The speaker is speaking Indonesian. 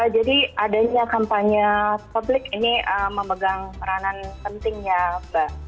jadi adanya kampanye publik ini memegang peranan pentingnya mbak